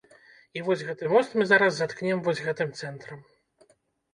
І вось гэты мост мы зараз заткнем вось гэтым цэнтрам.